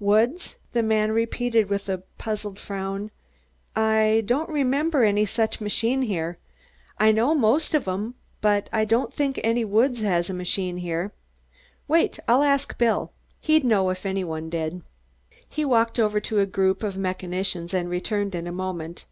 "Woods?" the man repeated with a puzzled frown. "I don't remember any such machine here. I know most of 'em, but I don't think any Woods has a machine here. Wait! I'll ask Bill. He'd know if any one did." He walked over to a group of mechanicians and returned in a moment.